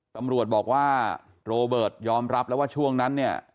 ตำรวจบอกว่าโรเบิร์ตยอมรับแล้วว่าช่วงนั้นเนี่ย